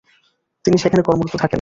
তিনি সেখানে কর্মরত থাকেন।